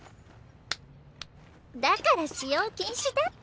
だから「使用禁止」だって。